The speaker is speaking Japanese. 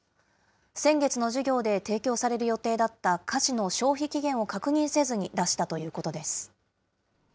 先月の授業で提供される予定だった菓子の消費期限を確認せずに出したということです。